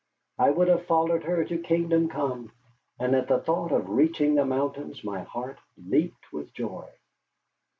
I would have followed her to kingdom come, and at the thought of reaching the mountains my heart leaped with joy.